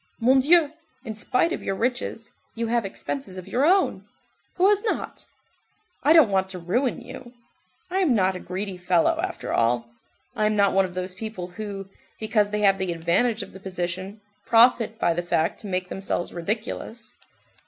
Mon Dieu, in spite of your riches, you have expenses of your own—who has not? I don't want to ruin you, I am not a greedy fellow, after all. I am not one of those people who, because they have the advantage of the position, profit by the fact to make themselves ridiculous.